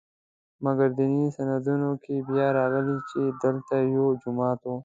مګر دیني سندونو کې بیا راغلي چې دلته یو جومات و.